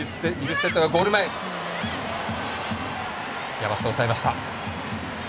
山下、押さえました。